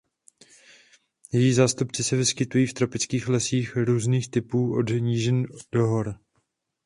Její zástupci se vyskytují v tropických lesích různých typů od nížin do hor.